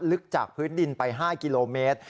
ลึกจากพื้นดินไป๕กิโลเมตร